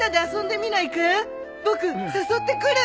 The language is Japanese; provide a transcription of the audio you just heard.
僕誘ってくる！